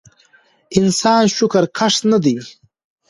انسان شکرکښ نه دی